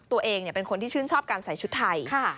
ตัวเองเป็นคนที่ชื่นชอบการใส่ชุดไทย